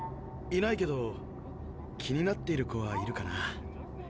いないけど気になっている子はいるかな。